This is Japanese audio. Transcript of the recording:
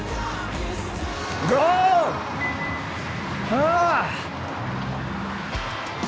ああ！